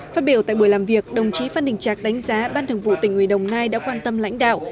phát biểu tại buổi làm việc đồng chí phan đình trạc đánh giá ban thường vụ tỉnh uỷ đồng nai đã quan tâm lãnh đạo